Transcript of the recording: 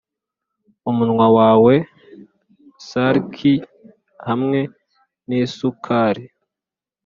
umunwa wawe sulky hamwe nisukari,